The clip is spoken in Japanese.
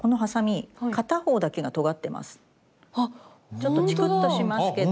ちょっとチクッとしますけど。